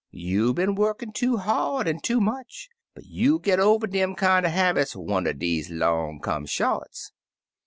You been workin' too hard an' too much, but you'll git over dem kinder habits one er deze long come shorts.